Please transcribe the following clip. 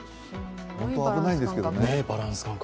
本当は危ないんですけどね。